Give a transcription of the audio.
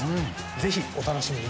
ぜひお楽しみに！